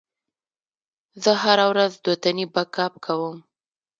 زه هره ورځ دوتنې بک اپ کوم.